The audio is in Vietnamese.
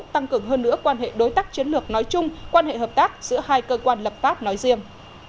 tăng cường hơn nữa quan hệ đối tác chiến lược nói chung quan hệ hợp tác giữa hai cơ quan lập pháp nói riêng